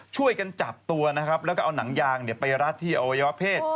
ช่วยกันจับตัวแล้วก็เอานังยางไปรัฐที่อววเวรพศ